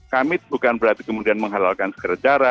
kami bukan berarti kemudian menghalalkan segera jara